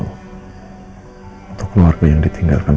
untuk keluarga yang ditinggalkan